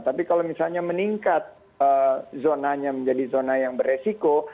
tapi kalau misalnya meningkat zonanya menjadi zona yang beresiko